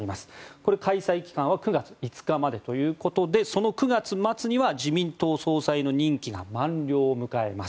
これは開催期間は９月５日までということでその９月末には自民党総裁の任期が満了を迎えます。